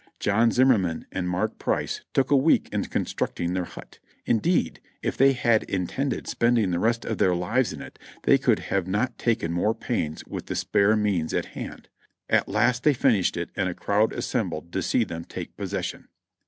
John Zimmerman and Mark Price took a week in constructing their hut; indeed if they had intended spending the rest of their lives in it they could not have taken more pains with the spare means at hand. At last the}^ finished it and a crowd assembled to see them take possession.